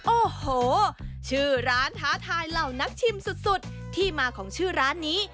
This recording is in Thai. โอ้โหชื่อร้านท้าทายเหล่านักชิมสุดที่มาของชื่อร้านนี้